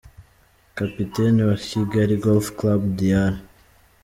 Kapiteni wa Kigali Golf Club, Dr.